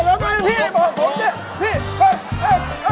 ก็ใช่ใส่แล้วเต้น